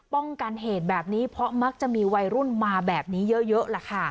ป้องกันเหตุแบบนี้เพราะมักจะมีวัยรุ่นมาแบบนี้เยอะแหละค่ะ